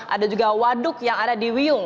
ada juga waduk yang ada di wiyung